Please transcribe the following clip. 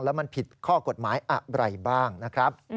แล้วมันผิดข้อกฎหมายอะไรบ้างนะครับ